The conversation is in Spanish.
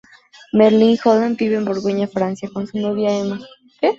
Merlin Holland vive en Borgoña, Francia con su novia Emma.